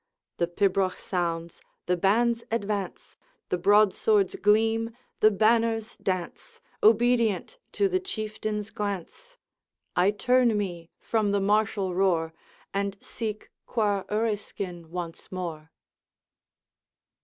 The pibroch sounds, the bands advance, The broadswords gleam, the banners dance' Obedient to the Chieftain's glance. I turn me from the martial roar And seek Coir Uriskin once more.